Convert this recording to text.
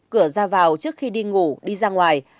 cửa ra vào trước khi đi ngủ đi ra ngoài